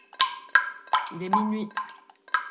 Il est minuit.